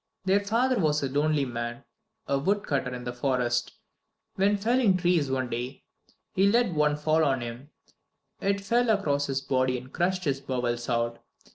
Their father was a lonely man; a wood cutter in the forest. When felling trees one day, they let one fall on him. It fell across his body and crushed his bowels out.